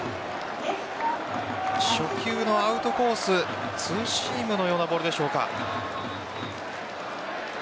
初球のアウトコースツーシームのようなボールでしょうか。